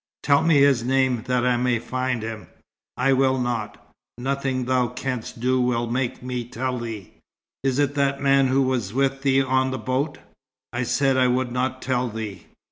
"Tell me his name, that I may find him." "I will not. Nothing thou canst do will make me tell thee." "It is that man who was with thee on the boat." "I said I would not tell thee."